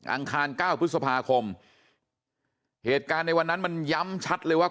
อังคารเก้าพฤษภาคมเหตุการณ์ในวันนั้นมันย้ำชัดเลยว่า